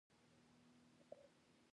آیا د پښتنو طنزونه ډیر خندونکي نه دي؟